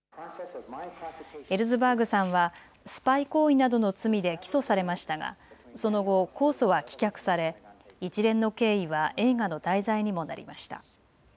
エルズバーグさんはスパイ行為などの罪で起訴されましたがその後、公訴は棄却され一連の経緯は映画の題材にもなりました。